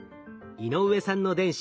井上さんの電子